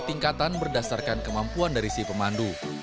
tingkatan berdasarkan kemampuan dari si pemandu